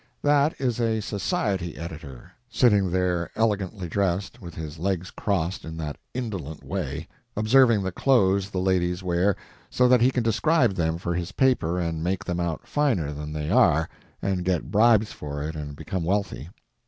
That is a society editor, sitting there elegantly dressed, with his legs crossed in that indolent way, observing the clothes the ladies wear, so that he can describe them for his paper and make them out finer than they are and get bribes for it and become wealthy.